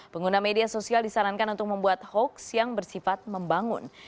pengguna media sosial disarankan untuk membuat hoax yang bersifat membangun